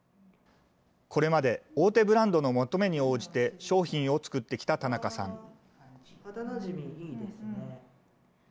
これまで大手ブランドの求めに応じて商品を作ってきた田中さん。